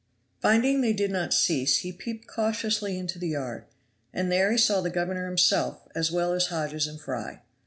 Finding they did not cease, he peeped cautiously into the yard, and there he saw the governor himself as well as Hodges and Fry.